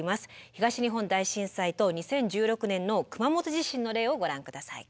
東日本大震災と２０１６年の熊本地震の例をご覧下さい。